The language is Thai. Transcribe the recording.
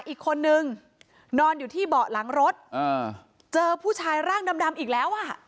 อีกคนนึงนอนอยู่ที่เบาะหลังรถอ่าเจอผู้ชายร่างดำอีกแล้วอ่ะ